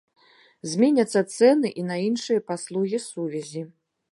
Зменяцца цэны і на іншыя паслугі сувязі.